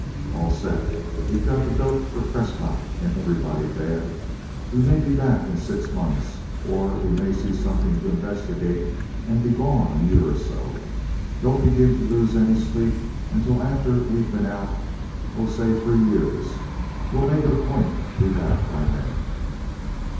"All set. You've got the dope for Prescott and everybody Dad. We may be back in six months, or we may see something to investigate, and be gone a year or so. Don't begin to lose any sleep until after we've been out oh, say three years. We'll make it a point to be back by then."